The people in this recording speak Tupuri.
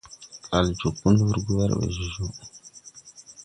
Kal joo kundurgu wer ɓe jo jo.